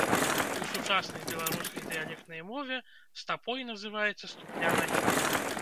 У сучаснай беларускай дыялектнай мове стапой называецца ступня нагі.